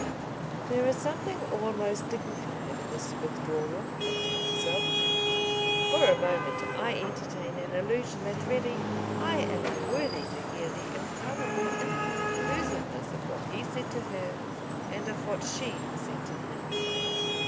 There is something almost dignified in this withdrawal into himself. For a moment I entertain an illusion that really I am unworthy to hear the impalpable inconclusiveness of what he said to her and of what she said to him.